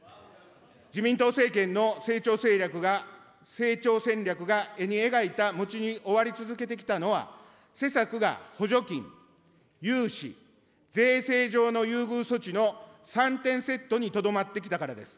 自民党政権の成長戦略が絵に描いた餅に終わり続けてきたのは施策が補助金、融資、税制上の優遇措置の３点セットにとどまってきたからです。